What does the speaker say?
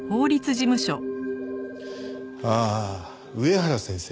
ああ上原先生？